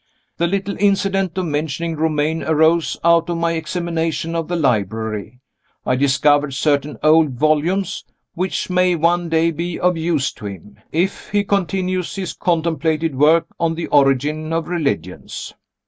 The little incident of mentioning Romayne arose out of my examination of the library. I discovered certain old volumes, which may one day be of use to him, if he continues his contemplated work on the Origin of Religions.